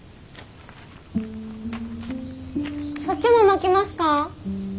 そっちもまきますか？